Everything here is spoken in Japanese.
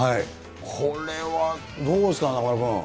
これはどうですか、中丸君。